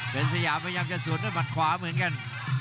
เป็นสยามพยายามจะสวนด้วยหมัดขวาเหมือนกัน